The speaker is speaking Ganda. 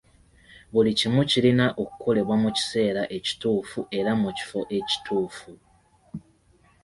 Buli kimu kirina okukolebwa mu kiseera ekituufu era mu kifo ekituufu.